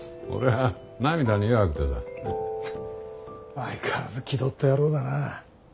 相変わらず気取った野郎だな。